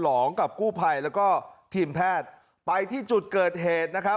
ลองกับกู้ภัยแล้วก็ทีมแพทย์ไปที่จุดเกิดเหตุนะครับ